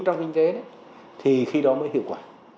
trong kinh tế đấy thì khi đó mới hiệu quả